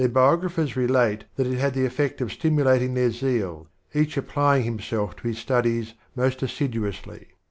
biographers relate that it had the effect of stimu lating their zeal, each applying himself to his studies most assiduously.